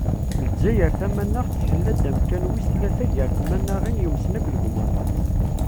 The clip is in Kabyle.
Lezzayer tamanaɣt tḥella-d amkan wis tlata gar tmanaɣin yumsen akk deg umaḍal.